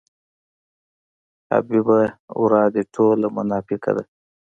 حبیبه ورا دې ټوله مناپیکه ده.